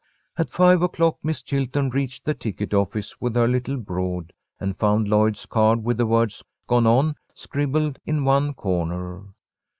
At five o'clock, Miss Chilton reached the ticket office with her little brood, and found Lloyd's card with the words "gone on" scribbled in one corner.